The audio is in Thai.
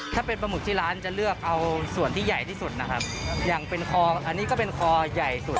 ถ้าเป็นปลาหมึกที่ร้านจะเลือกเอาส่วนที่ใหญ่ที่สุดนะครับอย่างเป็นคออันนี้ก็เป็นคอใหญ่สุด